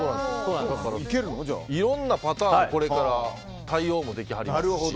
いろんなパターンをこれから対応もできはりますし。